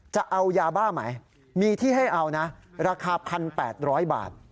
จะเอายาบ้าไหมมีที่ให้เอานะราคา๑๘๐๐บาท